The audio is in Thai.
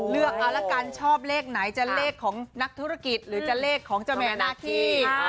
เลือกเอาละกันชอบเลขไหนจะเลขของนักธุรกิจหรือจะเลขของเจ้าแม่นาคี